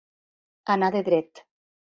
Anar de dret.